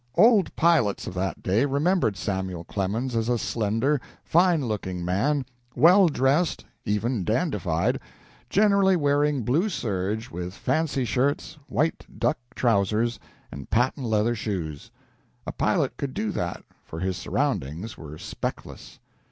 Old pilots of that day remembered Samuel Clemens as a slender, fine looking man, well dressed, even dandified, generally wearing blue serge, with fancy shirts, white duck trousers, and patent leather shoes. A pilot could do that, for his surroundings were speckless.